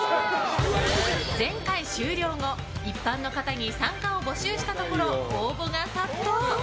前回終了後、一般の方に参加を募集したところ応募が殺到。